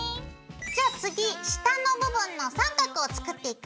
じゃあ次下の部分の三角を作っていくよ。